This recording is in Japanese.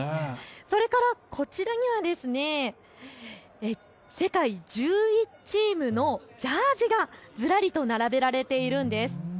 それからこちらには、世界１１チームのジャージがずらりと並べられているんです。